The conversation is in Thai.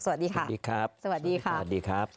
สวัสดีค่ะสวัสดีครับ